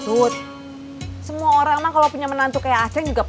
udah kena piling